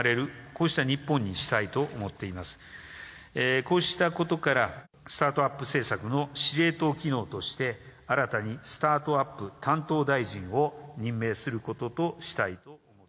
こうしたことから、スタートアップ政策の司令塔機能として、新たにスタートアップ担当大臣を任命することとしたい。